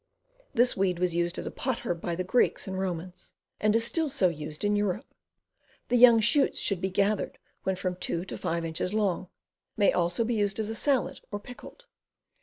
This weed was used as a pot herb by the Greeks and Romans, and is still so used in Europe. The young shoots should be gathered when from 2 to 5 inches long. May also be used as a salad, or pickled.